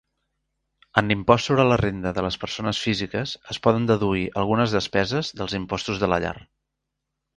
En l'impost sobre la renda de les persones físiques es poden deduir algunes despeses dels impostos de la llar.